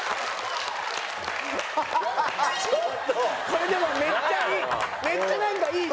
これでもめっちゃいい。